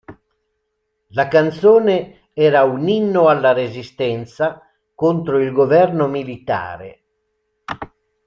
La canzone era un inno alla resistenza contro il governo militare.